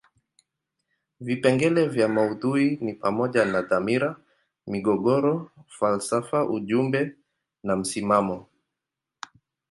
Vipengele vya maudhui ni pamoja na dhamira, migogoro, falsafa ujumbe na msimamo.